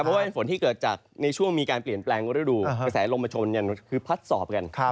เพราะว่าเป็นฝนที่เกิดจากในช่วงมีการเปลี่ยนแปลงฤดูกระแสลมมาชนอย่างคือพัดสอบกัน